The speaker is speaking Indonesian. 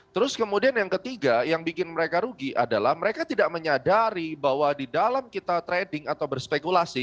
terus kemudian yang ketiga yang bikin mereka rugi adalah mereka tidak menyadari bahwa di dalam kita trading atau berspekulasi